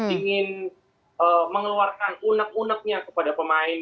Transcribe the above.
ingin mengeluarkan unek uneknya kepada pemain